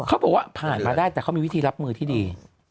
เขาบอกว่าผ่านมาได้แต่เขามีวิธีรับมือที่ดี